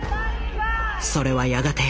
それはやがて＃